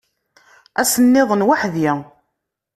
Ass-nniḍen weḥd-i.